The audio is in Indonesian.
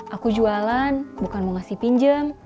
aku jualan bukan mau ngasih pinjam